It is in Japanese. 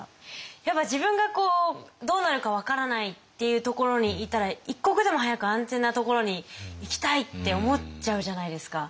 やっぱ自分がどうなるか分からないっていうところにいたら一刻でも早く安全なところに行きたいって思っちゃうじゃないですか。